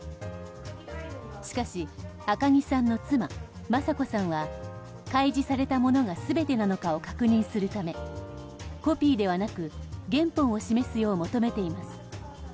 しかし、赤木さんの妻雅子さんは開示されたものが全てなのかを確認するためコピーではなく原本を示すよう求めています。